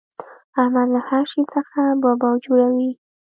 احمد له هر شي څخه ببو جوړوي.